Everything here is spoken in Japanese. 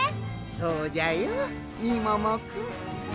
そうじゃよみももくん。